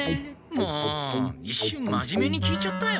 もういっしゅん真面目に聞いちゃったよ。